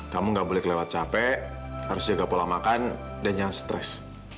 kamu gak boleh kelewat capek harus jaga pola makan dan jangan stres